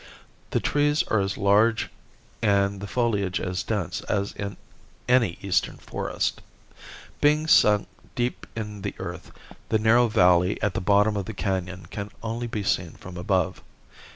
The trees are as large and the foliage as dense as in any eastern forest. Being sunk deep in the earth the narrow valley at the bottom of the canon can only be seen from above.